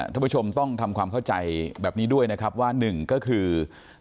ท่านผู้ชมต้องทำความเข้าใจแบบนี้ด้วยนะครับว่าหนึ่งก็คือ